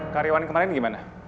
karyawan kemarin gimana